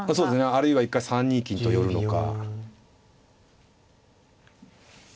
あるいは一回３二金と寄るのか。